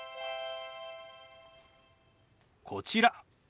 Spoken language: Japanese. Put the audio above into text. こちら。